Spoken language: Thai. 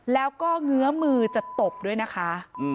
แล้วก็เงื้อมือจะตบด้วยนะคะ